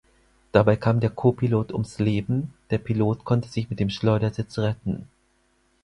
Dabei kam der Kopilot ums Leben, der Pilot konnte sich mit dem Schleudersitz retten.